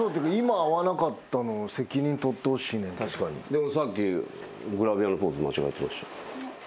でもさっきグラビアのポーズ間違えてました。